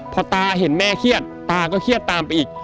พอตาเห็นแม่เครียดตาก็เครียดตามไปอีก